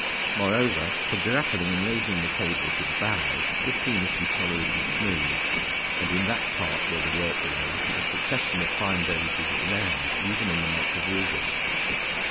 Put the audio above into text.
Moreover, for grappling and raising the cable to the bows, the sea must be tolerably smooth; and in that part where the work lay a succession of fine days is rare, even in the month of August.